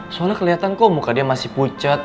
soalnya kelihatan kok muka dia masih pucat